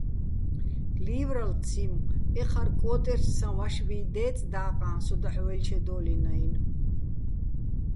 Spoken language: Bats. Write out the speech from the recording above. ლივრალო̆ ციმო: ეჴარ კო́ტერჩსაჼ ვაშბი დეწ და́ყაჼ სო დაჰ̦ ვაჲლჩედო́ლიჼ-ნაჲნო̆.